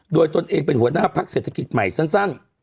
โดยตนเองเป็นหัวหน้าพักเศรษฐกิจใหม่สั้น